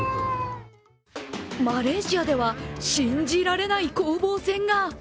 マレーシアでは信じられない攻防戦が。